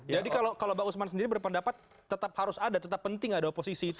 jadi kalau pak usman sendiri berpendapat tetap harus ada tetap penting ada oposisi itu ya